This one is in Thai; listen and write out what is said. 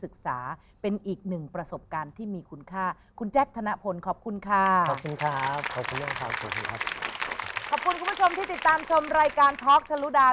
ขอบคุณคุณผู้ชมที่ติดตามชมรายการท็อกทะลุดาว